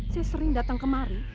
saya sering datang kemari